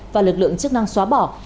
và lực lượng chức năng xóa bỏ